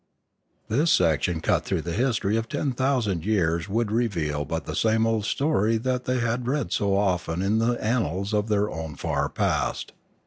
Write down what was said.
This section cut through the history of ten thousand years would reveal but the same old story that they had read so often in the annals of their own far past.